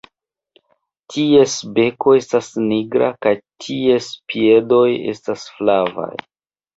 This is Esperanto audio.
Ties beko estas nigra kaj ties piedoj estas flavaj.